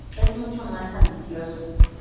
Es mucho más ambicioso.